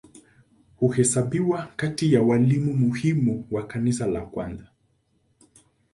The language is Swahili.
Huhesabiwa kati ya walimu muhimu wa Kanisa la kwanza.